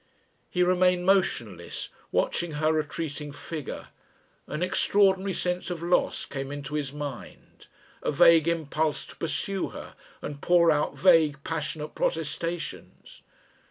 He remained motionless, watching her retreating figure. An extraordinary sense of loss came into his mind, a vague impulse to pursue her and pour out vague passionate protestations....